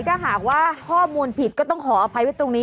ถ้าหากว่าข้อมูลผิดก็ต้องขออภัยไว้ตรงนี้